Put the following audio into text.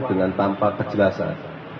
dengan tanpa kejelasan